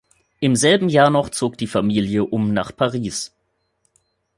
Im selben Jahr noch zog die Familie um nach Paris.